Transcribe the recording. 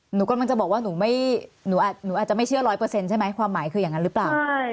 หนูก็มันจะบอกว่าหนูไม่หนูอาจจะไม่เชื่อร้อยเปอร์เซ็นต์ใช่ไหมความหมายคืออย่างนั้นหรือเปล่า